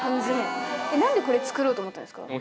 なんでこれ、作ろうと思ったんですか？